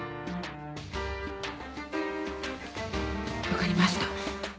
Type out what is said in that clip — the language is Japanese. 分かりました。